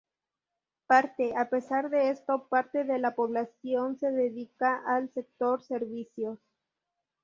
Parte a pesar de esto parte de la población se dedica al sector servicios.